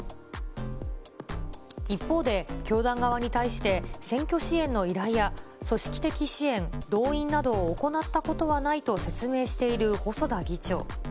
一方で、教団側に対して、選挙支援の依頼や組織的支援、動員などを行ったことはないと説明している細田議長。